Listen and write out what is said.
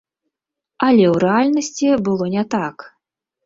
Але ў рэальнасці было не так.